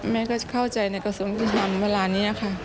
แม่ก็เข้าใจในกระทรวงยุติธรรมเวลานี้ค่ะ